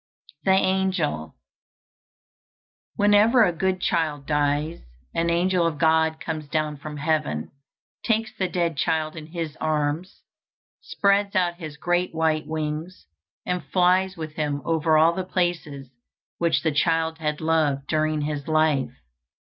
THE ANGEL "Whenever a good child dies, an angel of God comes down from heaven, takes the dead child in his arms, spreads out his great white wings, and flies with him over all the places which the child had loved during his life.